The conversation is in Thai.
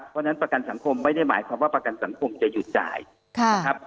เพราะฉะนั้นประกันสังคมไม่ได้หมายความว่าประกันสังคมจะหยุดจ่ายนะครับ